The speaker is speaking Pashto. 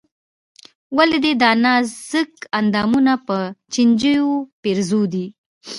ولې دې دا نازک اندامونه په چينجيو پېرزو دي.